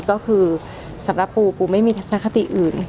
ก็คือสำหรับปูปูไม่มีทัศนคติอื่น